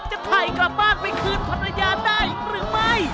จะถ่ายกลับบ้านไปคืนภรรยาได้หรือไม่